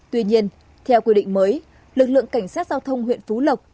tuy nhiên theo quy định mới lực lượng cảnh sát giao thông huyện phú lộc